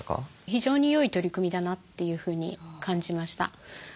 非常によい取り組みだなというふうに感じました。